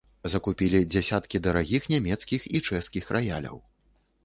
Закупілі дзясяткі дарагіх нямецкіх і чэшскіх раяляў.